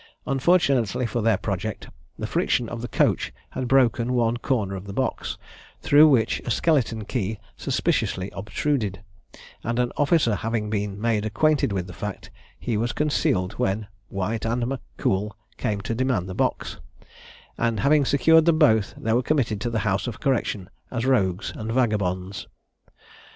Unfortunately for their project, the friction of the coach had broken one corner of the box, through which a skeleton key suspiciously obtruded; and an officer having been made acquainted with the fact, he was concealed when White and Mackcoull came to demand the box, and having secured them both, they were committed to the house of correction as rogues and vagabonds.